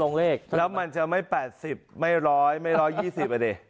แล้วลงเลขแล้วมันจะไม่๘๐ไม่๑๐๐ไม่๑๒๐อ่ะเนี่ย